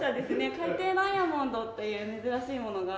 海底ダイヤモンドという珍しいものがある。